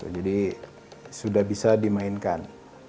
jadi sudah bisa dimainkan